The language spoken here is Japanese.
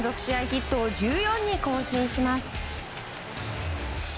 ヒットを１４に更新します。